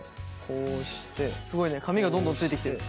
すごいね髪がどんどんついてきてる。